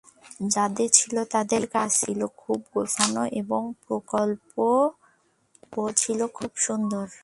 যাদের ছিল, তাদের কাজ ছিল খুবই গোছানো এবং প্রকল্পও ছিল সুন্দর।